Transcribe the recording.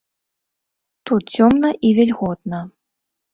Тут цёмна і вільготна.